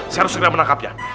saya harus segera menangkapnya